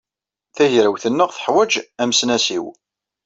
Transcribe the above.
Tagrawt-nneɣ teḥwaj amesnasiw.